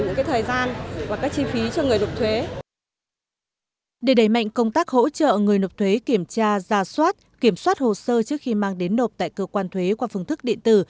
để đẩy mạnh công tác hỗ trợ người nộp thuế kiểm tra ra soát kiểm soát hồ sơ trước khi mang đến nộp tại cơ quan thuế qua phương thức điện tử